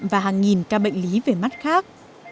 và hơn một ca bệnh lý về mắt khác